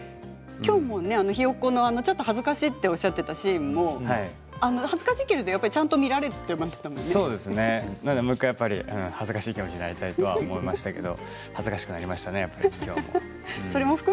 きょうも「ひよっこ」の恥ずかしいとおっしゃっていたシーンも恥ずかしいけれどもちゃんと恥ずかしさを味わいたいと思いましたけどきょうは恥ずかしくなりましたね。